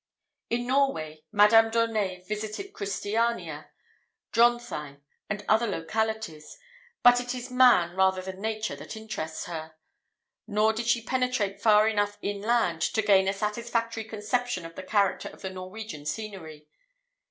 In Norway, Madame d'Aunet visited Christiania, Drontheim, and other localities; but it is Man rather than Nature that interests her. Nor did she penetrate far enough inland to gain a satisfactory conception of the character of the Norwegian scenery.